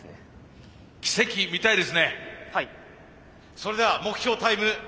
それでは目標タイム。